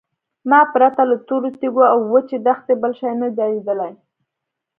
ما پرته له تورو تیږو او وچې دښتې بل شی نه دی لیدلی.